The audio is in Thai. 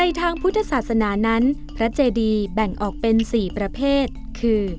ทางพุทธศาสนานั้นพระเจดีแบ่งออกเป็น๔ประเภทคือ